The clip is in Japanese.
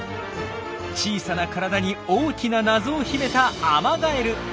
小さな体に大きな謎を秘めたアマガエル。